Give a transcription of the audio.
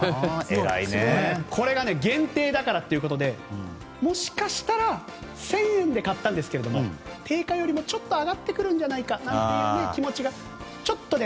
これが限定だからということでもしかしたら１０００円で買ったんですが定価よりもちょっと上がってくるんじゃないかという気持ちがちょっとね。